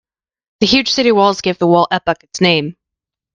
The huge city walls gave the wall epoch its name.